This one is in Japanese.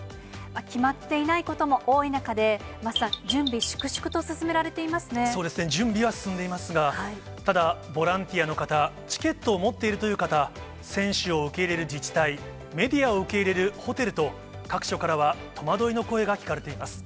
決まっていないことも多い中で、桝さん、準備、粛々と進められてそうですね、準備は進んでいますが、ただ、ボランティアの方、チケットを持っているという方、選手を受け入れる自治体、メディアを受け入れるホテルと、各所からは戸惑いの声が聞かれています。